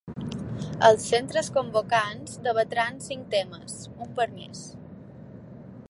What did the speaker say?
Els centres convocants debatran cinc temes, un per mes.